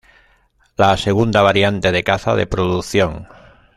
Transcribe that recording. La segunda variante de caza de producción.